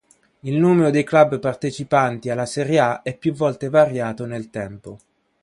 Il numero dei club partecipanti alla Serie A è più volte variato nel tempo.